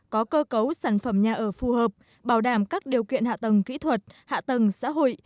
có cơ cấu sản phẩm nhà ở phù hợp bảo đảm các điều kiện hạ tầng kỹ thuật hạ tầng xã hội